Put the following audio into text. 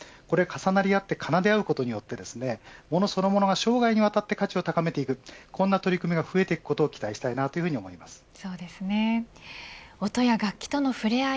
これが重なり合って奏であうことによってものそのものが、生涯にわたって価値を高めていくこの取り組みが増えていくことを期待したいと思います。